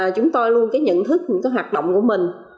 chúng tôi luôn nhận thức những hoạt động của mình